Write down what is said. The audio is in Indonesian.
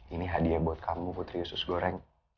ini hadiah buat kamu putri usus goreng